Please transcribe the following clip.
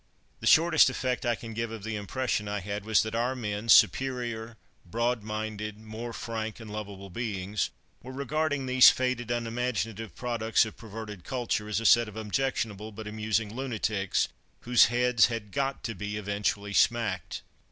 The shortest effect I can give of the impression I had was that our men, superior, broadminded, more frank, and lovable beings, were regarding these faded, unimaginative products of perverted kulture as a set of objectionable but amusing lunatics whose heads had got to be eventually smacked.